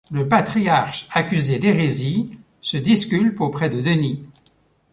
Le patriarche, accusé d'hérésie, se disculpe auprès de Denys.